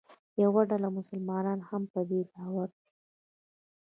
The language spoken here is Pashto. یوه ډله مسلمانان هم په دې باور دي.